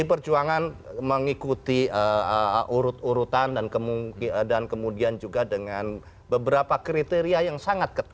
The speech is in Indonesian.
pdi perjuangan mengikuti urut urutan dan kemudian juga dengan beberapa kriteria yang sangat ketat